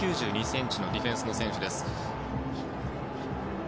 １９２ｃｍのディフェンスの選手です。